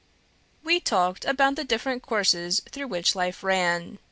We talked about the different courses through which life ran.